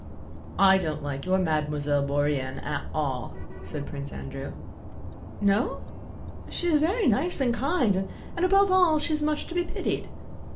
"I don't like your Mademoiselle Bourienne at all," said Prince Andrew. "No? She is very nice and kind and, above all, she's much to be pitied.